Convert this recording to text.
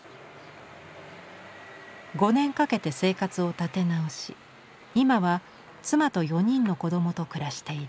５年かけて生活を立て直し今は妻と４人の子供と暮らしている。